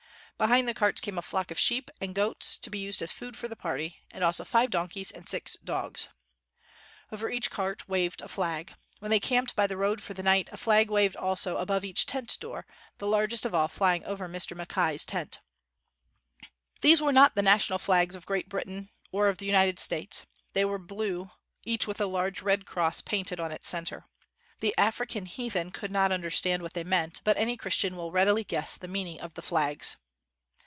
Behind the carts came a flock of sheep and goats, to be used as. food for the party, and also five donkeys and six dogs. Over each cart waved a flag. When they camped by the road for the night, a flag waved also above each tent door, the largest of all flying over Mr. Mackay's tent. These were not the national flags of Great Britain or of the United States ; they were blue, each with a large red cross painted on its center. The African heathen could not understand 60 JUNGLE ROADS AND OX CARTS what they meant, but any Christian will readily guess the meaning of the flags.